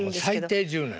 最低１０年。